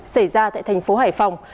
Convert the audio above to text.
xảy ra tại thành phố hải phòng